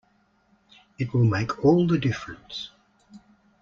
It will make all the difference.